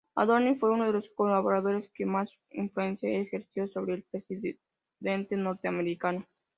O'Donnell fue uno de los colaboradores que más influencia ejerció sobre el presidente norteamericano.